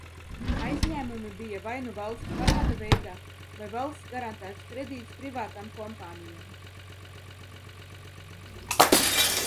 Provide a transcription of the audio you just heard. Aizņēmumi bija vai nu valsts parāda veidā, vai valsts garantēts kredīts privātām kompānijām.